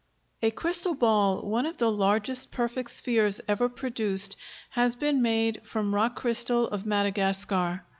A crystal ball, one of the largest perfect spheres ever produced, has been made from rock crystal of Madagascar.